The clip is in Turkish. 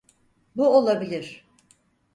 Bu olabilir.